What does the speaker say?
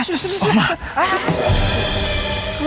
sudah sudah sudah